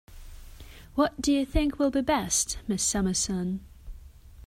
What do you think will be best, Miss Summerson?